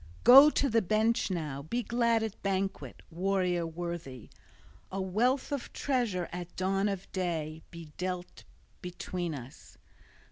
Go to the bench now! Be glad at banquet, warrior worthy! A wealth of treasure at dawn of day, be dealt between us!"